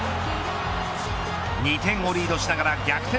２点をリードしながら逆転